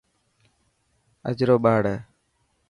اجرو ٻاڙ هي.